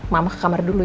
mama ke kamar dulu ya